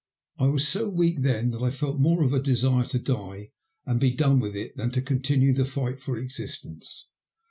I was so weak then that I felt more of a desire to die and be done with it, than to continue the fight for existence.